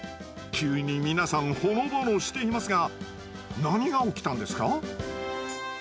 急に皆さんほのぼのしていますが何が起きたんですか？